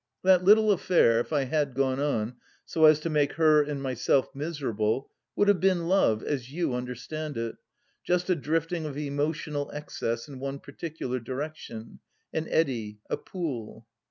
... That little affair, if I had gone on, so as to make her and myself miserable, would have been Love, as you understand it : just a drifting of emotional excess in one particular direction ... an eddy ... a pool.